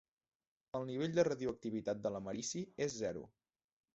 El nivell de radioactivitat de l'americi és zero.